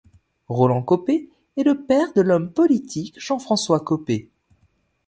Roland Copé est le père de l'homme politique Jean-François Copé.